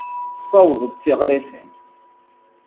Tesseww-d tiɣrifin.